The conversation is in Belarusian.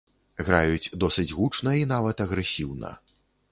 Граюць досыць гучна і нават агрэсіўна.